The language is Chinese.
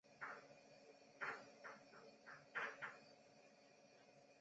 幼子是杰志青年军。